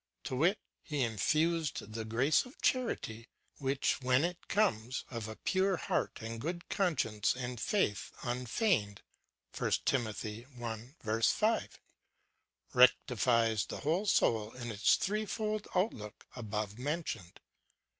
To wit, he infused the grace of charity, which, wlien it comes "of a pure heart, a good conscience, and faith un feigned,"'* rectifies the whole soul, in its threefold outk^ok al)ove mentioned.